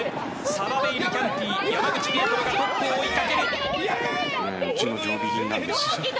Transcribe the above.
澤部イルキャンティ山口ピエトロがトップを追いかける。